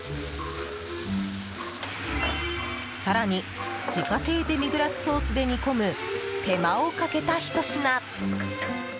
更に自家製デミグラスソースで煮込む、手間をかけたひと品。